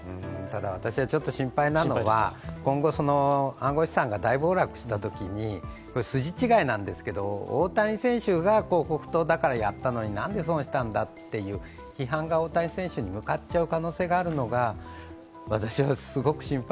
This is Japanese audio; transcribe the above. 私が心配なのは今後、暗号資産が大暴落したときにこれは筋違いなんですが大谷選手が広告塔だからやったのに、なんで損したんだと批判が大谷選手に向かっちゃう可能性があるのが私はすごく心配。